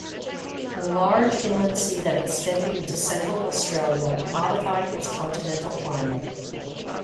A large inland sea that extended into central Australia modified its continental climate.